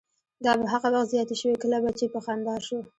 دا به هغه وخت زیاتې شوې کله به چې په خندا شو.